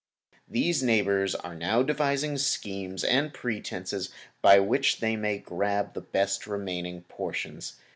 These neighbors are now devising schemes and pretences by which they may grab the best remaining portions.